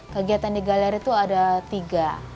kegiatan di galeri itu ada tiga